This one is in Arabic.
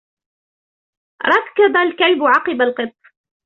ركض الكلب عقب القط.